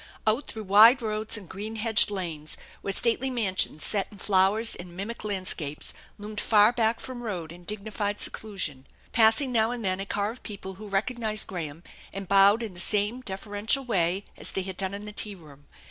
Out through wide roads and green hedged lanes, where stately mansions set in flowers and mimic landscapes loomed far back from road in dignified seclusion. Passing now and then a car of people who recog nized Graham and bowed in the same deferential way as they had done in the tea room.